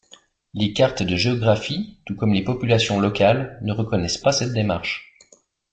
Les cartes de géographie, tout comme les populations locales, ne reconnaissent pas cette démarche.